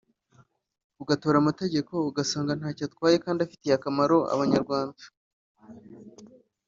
ugatora amategeko ugasanga ntacyo atwaye kandi afitiye akamaro Abanyarwanda